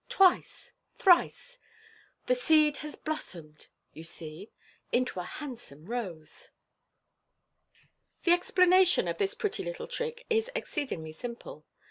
twice ! thrice ! The seed has blossomed, you see, into a handsome rose." The explanation of this pretty little trick is exceedingly simple.